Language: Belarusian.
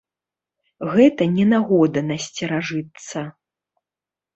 Гэта не нагода насцеражыцца.